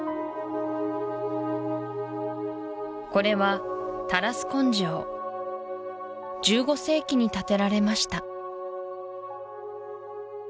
これはタラスコン城１５世紀に建てられました